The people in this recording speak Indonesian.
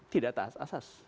tidak tak asas